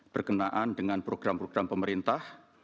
berkenaan dengan program program pemerintah